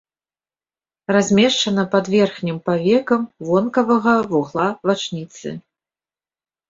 Размешчана пад верхнім павекам вонкавага вугла вачніцы.